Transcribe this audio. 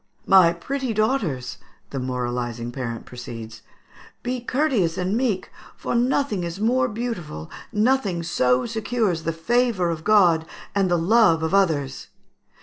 "My pretty daughters," the moralising parent proceeds, "be courteous and meek, for nothing is more beautiful, nothing so secures the favour of God and the love of others.